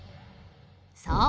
そう。